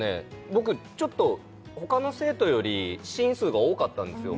僕ちょっと他の生徒よりシーン数が多かったんですよ